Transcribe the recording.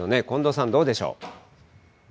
近藤さん、どうでしょう。